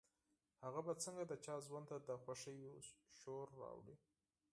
هغه به څنګه د چا ژوند ته د خوښيو شور راوړي.